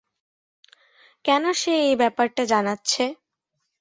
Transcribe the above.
কেন সে এই ব্যাপারটা জানাচ্ছে?